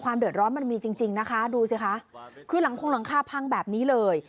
ความเดิดร้อนมันมีจริงจริงนะคะดูสิคะคือหลังคาพังแบบนี้เลย